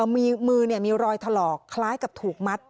มือมีรอยถลอกคล้ายกับถูกมัด